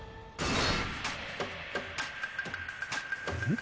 ん？